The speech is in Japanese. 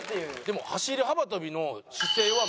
でも走り幅跳びの姿勢は。